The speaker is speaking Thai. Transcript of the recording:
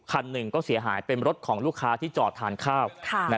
คันหนึ่งก็เสียหายเป็นรถของลูกค้าที่จอดทานข้าว